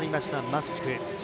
マフチク。